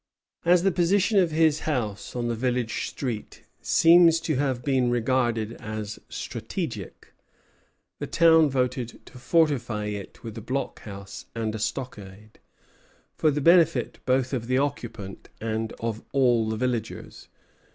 As the position of his house on the village street seems to have been regarded as strategic, the town voted to fortify it with a blockhouse and a stockade, for the benefit both of the occupant and of all the villagers.